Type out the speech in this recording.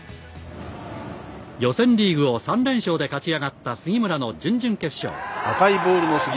予選リーグを３連勝で勝ち上がった杉村の準々決勝。